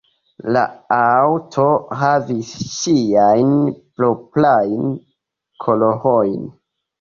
La aŭto havis siajn proprajn kolorojn.